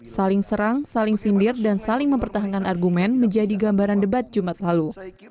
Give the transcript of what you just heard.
saling serang saling sindir dan saling mempertahankan argumen menjadi gambaran debat jumat lalu